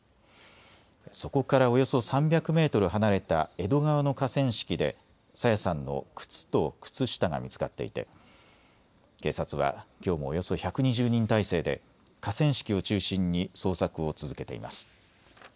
そこからおよそ３００メートル離れた江戸川の河川敷で朝芽さんの靴と靴下が見つかっていて警察はきょうもおよそ１２０人態勢で河川敷を中心に捜索を続けています。